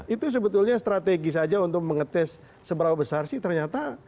itu sebetulnya strategi saja untuk mengetes seberapa besar sih ternyata